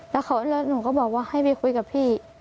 แล้วหนูก็บอกว่าให้ไปคุยกับพี่